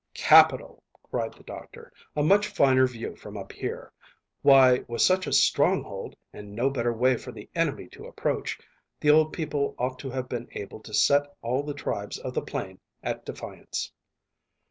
"Capital!" cried the doctor. "A much finer view from up here. Why, with such a stronghold and no better way for the enemy to approach, the old people ought to have been able to set all the tribes of the plain at defiance."